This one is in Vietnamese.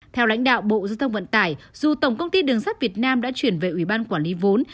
theo lãnh đạo bộ giao thông vận tải dù tổng công ty đường sắt việt nam đã chuyển về ủy ban quản lý vốn